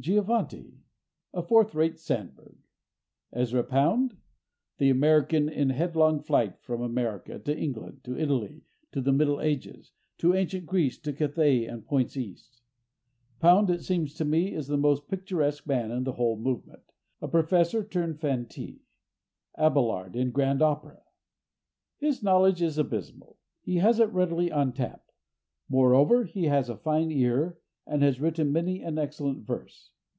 Giovannitti? A forth rate Sandburg. Ezra Pound? The American in headlong flight from America—to England, to Italy, to the Middle Ages, to ancient Greece, to Cathay and points East. Pound, it seems to me, is the most picturesque man in the whole movement—a professor turned fantee, Abelard in grand opera. His knowledge is abysmal; he has it readily on tap; moreover, he has a fine ear, and has written many an excellent verse.